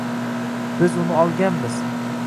Biz uni olganmiz